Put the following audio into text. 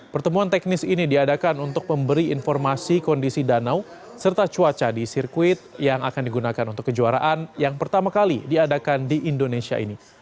pertemuan teknis ini diadakan untuk memberi informasi kondisi danau serta cuaca di sirkuit yang akan digunakan untuk kejuaraan yang pertama kali diadakan di indonesia ini